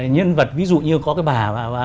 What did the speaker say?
nhân vật ví dụ như có cái bà